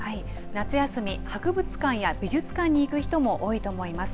夏休み、博物館や美術館に行く人も多いと思います。